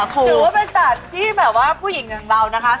คงมูด